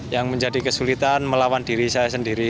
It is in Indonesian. yang menjadi kesulitan melawan diri saya sendiri